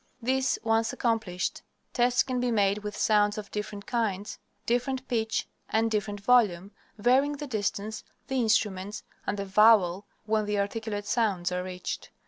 This once accomplished, tests can be made with sounds of different kinds, different pitch, and different volume, varying the distance, the instruments, and the vowel when the articulate sounds are reached.